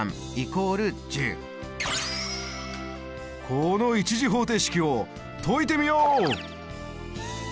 この１次方程式を解いてみよう！